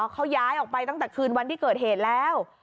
เขาย้ายออกไปตั้งแต่คืนวันที่เกิดเหตุแล้ว